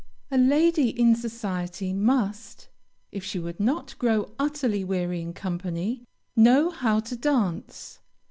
A lady in society must, if she would not grow utterly weary in company, know how to dance.